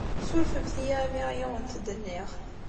Ssurfemt-iyi imi ay awent-d-nniɣ.